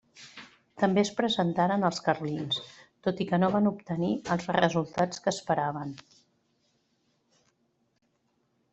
També es presentaren els carlins, tot i que no van obtenir els resultats que esperaven.